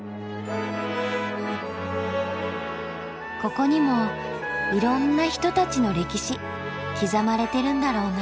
ここにもいろんな人たちの歴史刻まれてるんだろうな。